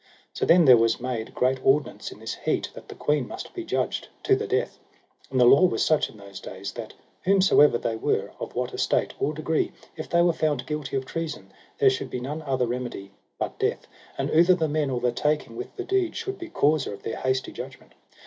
So then there was made great ordinance in this heat, that the queen must be judged to the death. And the law was such in those days that whatsomever they were, of what estate or degree, if they were found guilty of treason, there should be none other remedy but death; and outher the men or the taking with the deed should be causer of their hasty judgment.